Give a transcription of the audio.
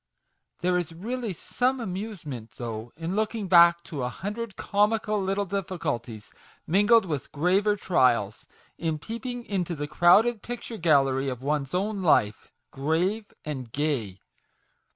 There is really some amusement, though, in looking back to a hundred comical little difficulties, mingled with graver trials; in peeping into the crowded picture gallery of one's own life grave and gay